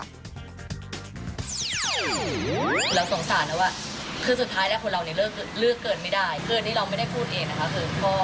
แล้วสงสารแล้ววะค่ะสุดท้ายแล้วคนนี้คนเราก็เลือกเกินไม่ได้